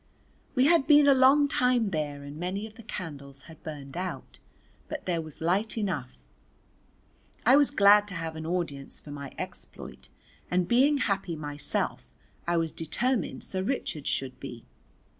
We had been a long time there and many of the candles had burned out, but there was light enough. I was glad to have an audience for my exploit, and being happy myself I was determined Sir Richard should be.